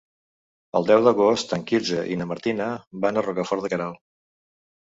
El deu d'agost en Quirze i na Martina van a Rocafort de Queralt.